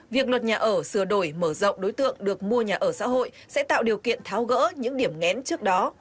việc luật nhà ở sửa đổi mở rộng đối tượng được mua nhà ở xã hội sẽ tạo điều kiện tháo gỡ những điểm ngén trước đó